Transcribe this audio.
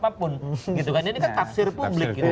bukan apapun gitu kan jadi kan tafsir publik gitu